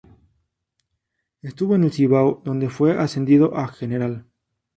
Estuvo en el Cibao, donde fue ascendido a General.